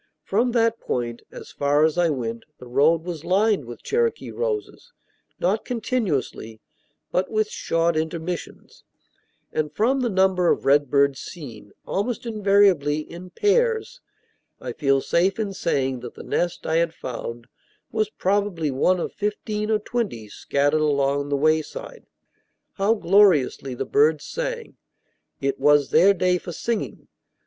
From that point, as far as I went, the road was lined with Cherokee roses, not continuously, but with short intermissions; and from the number of redbirds seen, almost invariably in pairs, I feel safe in saying that the nest I had found was probably one of fifteen or twenty scattered along the wayside. How gloriously the birds sang! It was their day for singing.